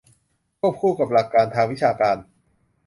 ควบคู่กับหลักการทางวิชาการ